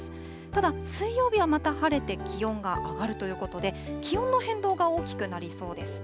ただ、水曜日はまた晴れて気温が上がるということで、気温の変動が大きくなりそうです。